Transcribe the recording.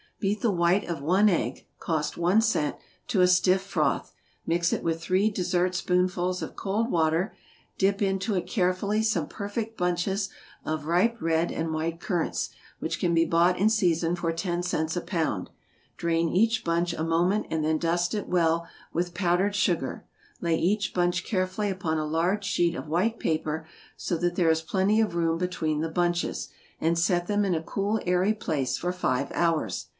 = Beat the white of one egg, (cost one cent,) to a stiff froth, mix it with three dessertspoonfuls of cold water, dip into it carefully some perfect bunches of ripe red and white currants, which can be bought in season for ten cents a pound; drain each bunch a moment and then dust it well with powdered sugar, lay each bunch carefully upon a large sheet of white paper, so that there is plenty of room between the bunches, and set them in a cool, airy place for five hours.